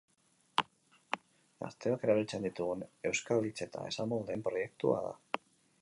Gazteok erabiltzen ditugun euskal hitz eta esamoldeen hiztegia prestatzen ari den proiektua da.